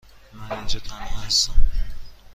من اینجا تنها هستم.